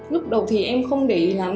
lúc đầu thì em không để ý lắm